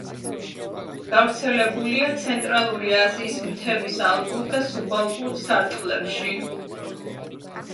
გავრცელებულია ცენტრალური აზიის მთების ალპურ და სუბალპურ სარტყლებში.